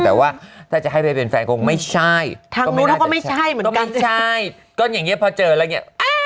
แต่ถ้าจะให้ไปเป็นแฟนคงก็ไม่ใช่ตะวันตะวันไป